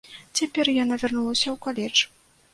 Цяпер яна вярнулася ў каледж.